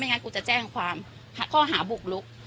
งั้นกูจะแจ้งความข้อหาบุกลุก